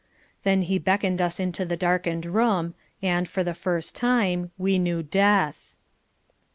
Then he beckoned us into the darkened room, and, for the first time, we knew Death.